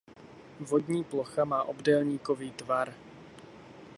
Vodní plocha má obdélníkový tvar.